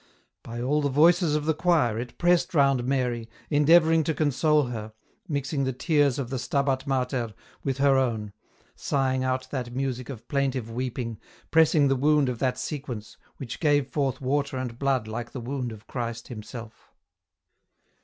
By all the voices of the choir, it pressed round Mary, endeavouring to console her, mixing the tears of the " Stabat Mater " with her own, sighing out that music of plaintive weeping, pressing the wound of that sequence, which gave forth water and blood like the wound of Christ Himself.